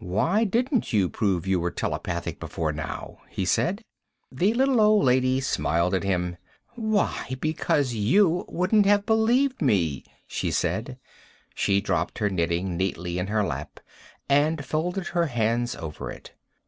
"Why didn't you prove you were telepathic before now?" he said. The little old lady smiled at him. "Why, because you wouldn't have believed me," she said. She dropped her knitting neatly in her lap and folded her hands over it.